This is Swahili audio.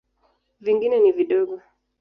Vingine ni vidogo.